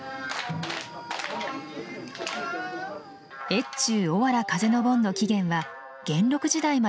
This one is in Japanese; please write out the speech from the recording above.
越中おわら風の盆の起源は元禄時代まで遡ります。